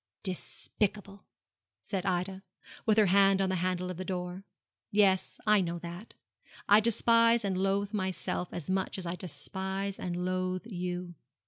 'Despicable,' said Ida, with her hand on the handle of the door. 'Yes, I know that. I despise and loathe myself as much as I despise and loathe you.